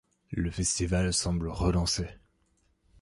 Le festival semble relancé.